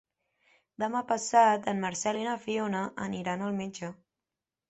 Demà passat en Marcel i na Fiona aniran al metge.